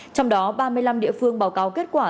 trong đó ba mươi năm địa phương báo cáo kết quả